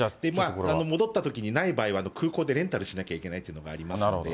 戻ったときに、ない場合は、空港でレンタルしなきゃいけないというのがありますので。